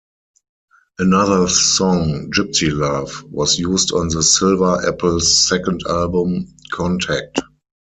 Another song, "Gypsy Love", was used on the Silver Apples' second album, "Contact".